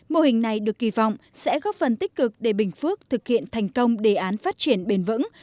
mô hình này được kỳ vọng sẽ góp phần tích cực để bình phước thực hiện thành công đề án phát triển bền vững